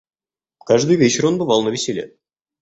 Каждый вечер он бывал навеселе.